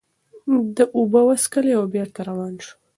ده اوبه وڅښلې او بېرته روان شو.